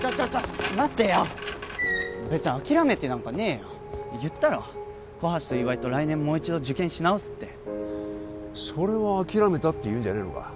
待てよ別に諦めてなんかねえよ言ったろ小橋と岩井と来年もう一度受験し直すってそれを諦めたっていうんじゃねえのか？